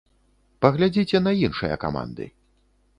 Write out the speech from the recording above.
Паглядзіце на іншыя каманды.